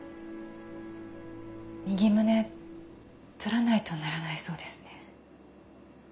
右胸取らないとならないそうですね。